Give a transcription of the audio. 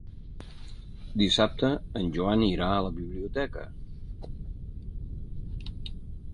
Dissabte en Joan irà a la biblioteca.